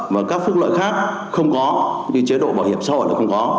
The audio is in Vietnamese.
và các phúc lợi khác không có như chế độ bảo hiểm so ở là không có